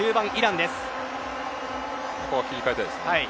ここは切り替えたいですね。